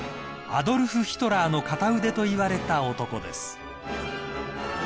［アドルフ・ヒトラーの片腕といわれた男です］